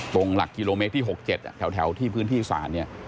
ตรงหลักกิโลเมตรที่หกเจ็ดอ่ะแถวแถวที่พื้นที่ศาลเนี้ย